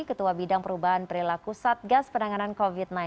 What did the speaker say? ketua bidang perubahan perilaku satgas penanganan covid sembilan belas